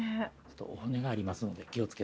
お骨がありますので気を付けてください。